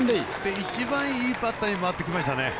一番いいバッターに回ってきましたね。